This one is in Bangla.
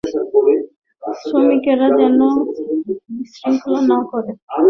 শ্রমিকেরা যেন বিশৃঙ্খলা না করেন, সে জন্য আহ্বান জানানো হয়েছে।